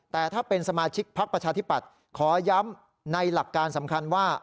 แต่ถ้าเป็นสมาชิกพักประชาธิปัตย์ขอย้ำในหลักการสำคัญว่า